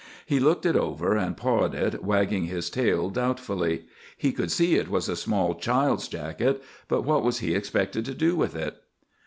He looked it over, and pawed it, wagging his tail doubtfully. He could see it was a small child's jacket, but what was he expected to do with it?